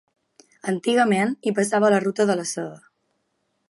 Antigament, hi passava la ruta de la Seda.